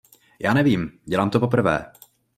Já nevím, dělám to poprvé.